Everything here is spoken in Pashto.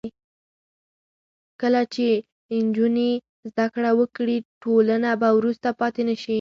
کله چې نجونې زده کړه وکړي، ټولنه به وروسته پاتې نه شي.